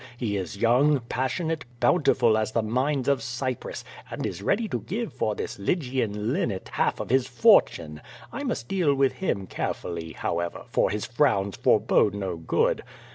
He is young, passionate, bountiful as the mines of Cyprus, and is ready to give for this Lygian linnet half of his fortune. I must deal with him carefully, how ever, for his frowns forebode no good.